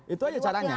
itu aja caranya